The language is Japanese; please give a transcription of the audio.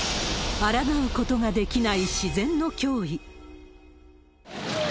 あらがうことができない自然の脅威。